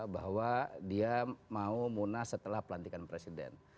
bahwa dia mau munas setelah pelantikan presiden